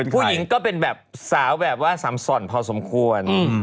ผู้หญิงก็เป็นแบบสาวแบบว่าสำส่อนพอสมควร